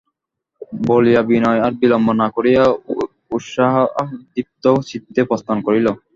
বলিয়া বিনয় আর বিলম্ব না করিয়া উৎসাহদীপ্ত চিত্তে প্রস্থান করিল।